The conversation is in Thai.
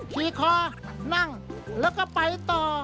ขี่คอนั่งแล้วก็ไปต่อ